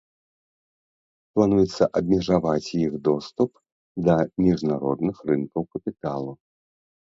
Плануецца абмежаваць іх доступ да міжнародных рынкаў капіталу.